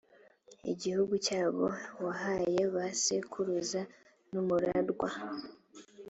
igihugu cyabo wahaye ba sekuruza n umurwa